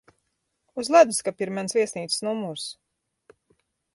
Uz ledusskapja ir manas viesnīcas numurs.